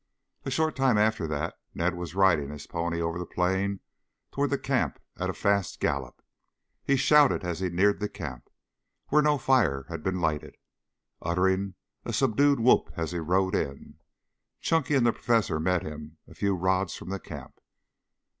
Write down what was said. A short time after that Ned was riding his pony over the plain toward the camp at a fast gallop. He shouted as he neared the camp, where no fire had been lighted, uttering a subdued whoop as he rode in. Chunky and the professor met him a few rods from the camp.